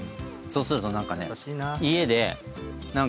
そうすると何かね。